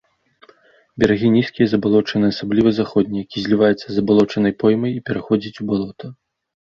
Берагі нізкія, забалочаныя, асабліва заходні, які зліваецца з забалочанай поймай і пераходзіць у балота.